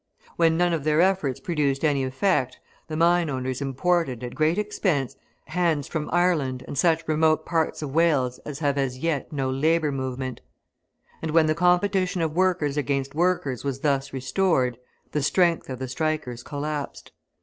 When none of their efforts produced any effect, the mine owners imported, at great expense, hands from Ireland and such remote parts of Wales as have as yet no labour movement. And when the competition of workers against workers was thus restored, the strength of the strikers collapsed.